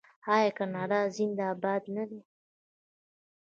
آیا کاناډا زنده باد نه دی؟